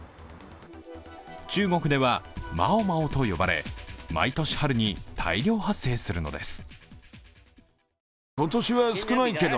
中国では毛毛と呼ばれ、毎年春に大量発生するのです。